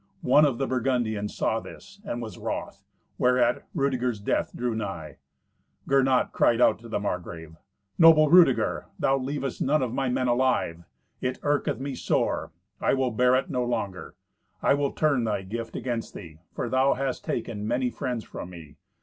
One of the Burgundians saw this, and was wroth; whereat Rudeger's death drew nigh. Gernot cried out to the Margrave, "Noble Rudeger; thou leavest none of my men alive. It irketh me sore; I will bear it no longer. I will turn thy gift against thee, for thou hast taken many friends from me.